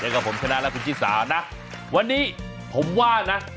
ก็ผมพระนานะกูชิศราบนะวันนี้ผมว่านะ